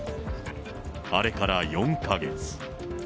あれから４か月。